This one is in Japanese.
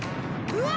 うわ！